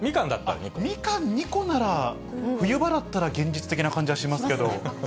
ミカン２個なら、冬場だったら現実的な感じがしますけど。